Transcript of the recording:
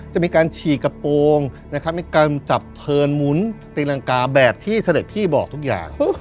จะมีการฉีกกระโปรงนะครับในการจับเทินหมุนตีรังกาแบบที่เสด็จพี่บอกทุกอย่าง